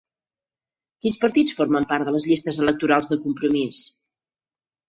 Quins partits formen part de les llistes electorals de Compromís?